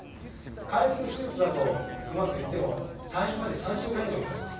開腹手術だとうまくいっても退院まで３週間以上かかります。